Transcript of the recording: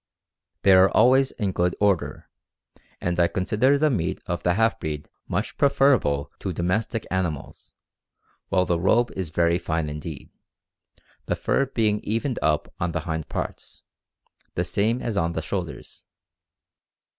] "They are always in good order, and I consider the meat of the half breed much preferable to domestic animals, while the robe is very fine indeed, the fur being evened up on the hind parts, the same as on the shoulders.